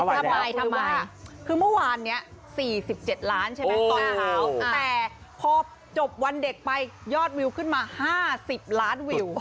ทำไมทำไมคือเมื่อวานนี้๔๗ล้านใช่ไหมตอนเช้าแต่พอจบวันเด็กไปยอดวิวขึ้นมา๕๐ล้านวิว